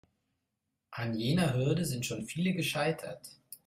An jener Hürde sind schon viele gescheitert.